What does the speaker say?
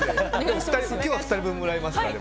今日は２人分もらえますから。